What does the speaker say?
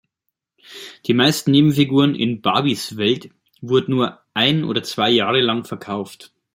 Die meisten Nebenfiguren in "Barbies" Welt wurden nur ein oder zwei Jahre lang verkauft.